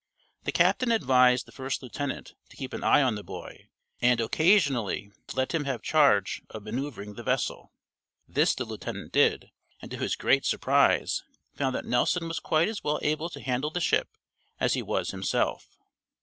The captain advised the first lieutenant to keep an eye on the boy and occasionally to let him have charge of manoeuvering the vessel. This the lieutenant did, and to his great surprise found that Nelson was quite as well able to handle the ship as he was himself.